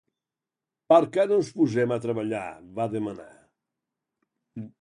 Per què no ens posem a treballar?, va demanar.